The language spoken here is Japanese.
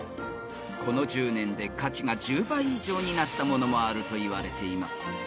［この１０年で価値が１０倍以上になったものもあるといわれています。